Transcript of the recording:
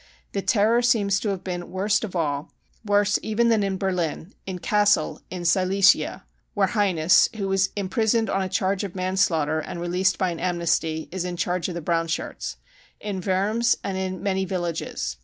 The Terror seems to have been worst of all — worse even than in Berlin — in Gassel, in Silesia (where Heines, who was imprisoned on a charge of manslaughter and released by an amnesty, is in charge of the Brown Shirts), in Worms, and in many villages.